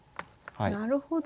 なるほど。